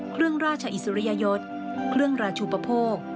เครื่องราชอิสริยยศเครื่องราชูปโภค